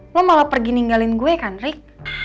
lo malah pergi ninggalin gue ya kan rick